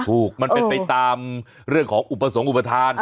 มันเป็นไปตามเรื่องของอุปสรรคอุปทาน